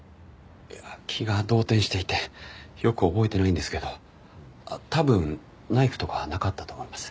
いや気が動転していてよく覚えてないんですけど多分ナイフとかはなかったと思います。